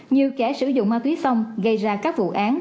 như kẻ sử dụng ma túy xong gây ra các vụ án